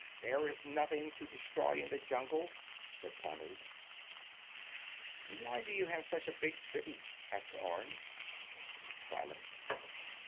"There is nothing to destroy in the jungle," said Tanub. "Why do you have such a big city?" asked Orne. Silence.